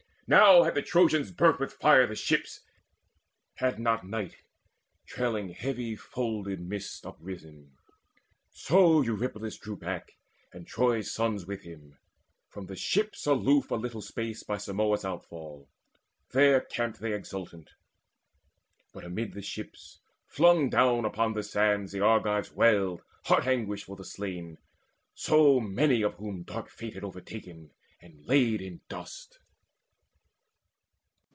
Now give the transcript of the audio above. Now had the Trojans burnt with fire the ships, Had not night, trailing heavy folded mist, Uprisen. So Eurypylus drew back, And Troy's sons with him, from the ships aloof A little space, by Simois' outfall; there Camped they exultant. But amidst the ships Flung down upon the sands the Argives wailed Heart anguished for the slain, so many of whom Dark fate had overtaken and laid in dust.